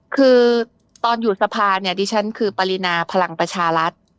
คือตอนอยู่สภาเนี่ยดิฉันคือปรินาพลังประชารัฐ